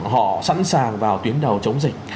họ sẵn sàng vào tuyến đầu chống dịch